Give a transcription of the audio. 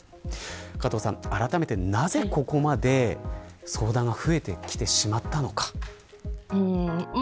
加藤さん、あらためてなぜ、ここまで相談が増えてきてしまったのか。